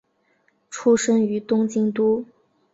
出身于东京都。